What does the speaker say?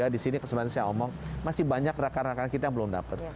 di sini kesempatan saya omong masih banyak rakan rakan kita yang belum dapat